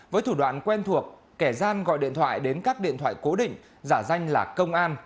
với thủ đoạn quen thuộc kẻ gian gọi điện thoại đến các điện thoại cố định giả danh là công an